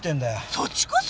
そっちこそ！